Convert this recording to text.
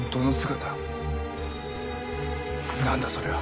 何だそれは。